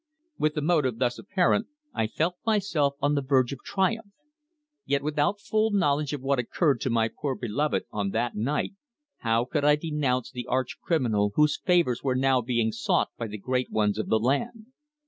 With the motive thus apparent, I felt myself on the verge of triumph. Yet without full knowledge of what occurred to my poor beloved on that night how could I denounce the arch criminal whose favours were now being sought by the great ones of the land.